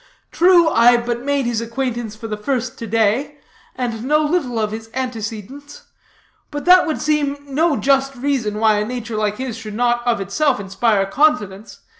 True, I but made his acquaintance for the first to day, and know little of his antecedents; but that would seem no just reason why a nature like his should not of itself inspire confidence.